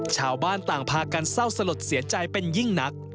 ชาวบ้านต่างพากันเศร้าสลดเสียใจเป็นยิ่งนัก